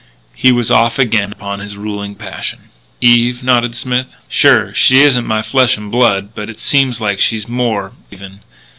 He was off again upon his ruling passion. "Eve," nodded Smith. "Sure. She isn't my flesh and blood. But it seems like she's more, even.